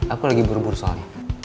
aku lagi buru buru soalnya